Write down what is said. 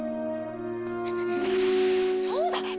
そうだ！